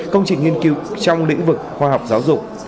công trình nghiên cứu trong lĩnh vực khoa học giáo dục